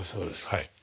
はい。